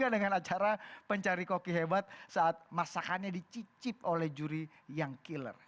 dengan acara pencari koki hebat saat masakannya dicicip oleh juri yang killer